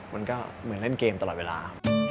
มันก็เหมือนเล่นเกมตลอดเวลา